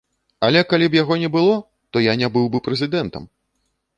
Але калі б яго не было, то я не быў бы прэзідэнтам!